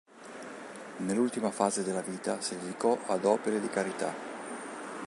Nell'ultima fase della vita si dedicò ad opere di carità.